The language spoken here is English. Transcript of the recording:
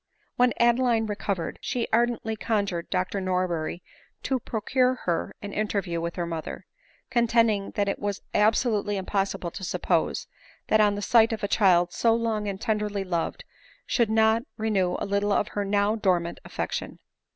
When Adeline recovered, she ardently conjured Dr Norberry to procure her an interview with her mother ; contending that it was absolutely impossible to suppose, that the sight of a child so long and tenderly loved should not renew a little of her now dormant affection.